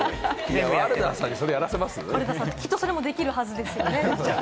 きっとそれもできるはずですよね。